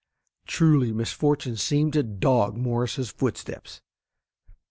Truly, misfortune seemed to dog Morse's footsteps.